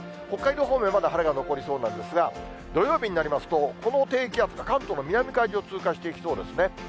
北海道方面、まだ晴れが残りそうなんですが、土曜日になりますと、この低気圧、関東の南海上を通過していきそうですね。